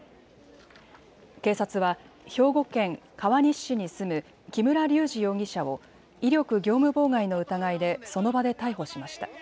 警察は兵庫県川西市に住む木村隆二容疑者を威力業務妨害の疑いでその場で逮捕しました。